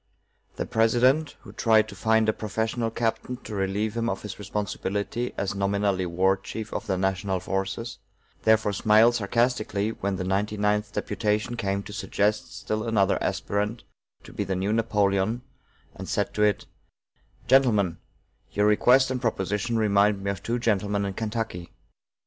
The President, who tried to find a professional captain to relieve him of his responsibility as nominally war chief of the national forces, therefore smiled sarcastically when the ninety ninth deputation came to suggest still another aspirant to be the new Napoleon, and said to it: "Gentlemen, your request and proposition remind me of two gentlemen in Kentucky.